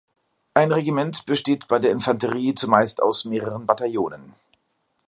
Ein Regiment besteht bei der Infanterie zumeist aus mehreren Bataillonen.